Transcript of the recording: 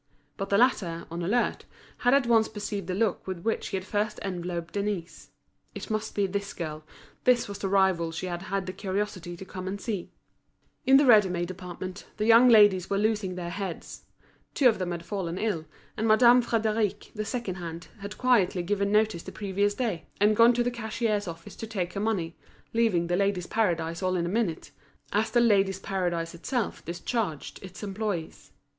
But the latter, on the alert, had at once perceived the look with which he had first enveloped Denise. It must be this girl, this was the rival she had had the curiosity to come and see. In the ready made department, the young ladies were losing their heads. Two of them had fallen ill, and Madame Frédéric, the second hand, had quietly given notice the previous day, and gone to the cashier's office to take her money, leaving The Ladies' Paradise all in a minute, as The Ladies' Paradise itself discharged its employees.